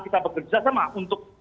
kita bekerja sama untuk